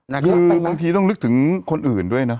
นี่ต้องลืกถึงคนอื่นด้วยนะ